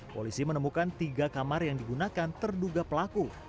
polisi menemukan tiga kamar yang digunakan terduga pelaku